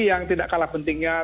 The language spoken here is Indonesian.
yang tidak kalah pentingnya